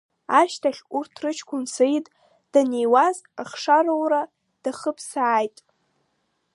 Ашьҭахь, урҭ рыҷкәын Саид даниуаз ахшароура дахыԥсааит.